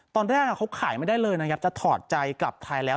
ตอนแรกเขาขายไม่ได้เลยนะครับจะถอดใจกลับไทยแล้ว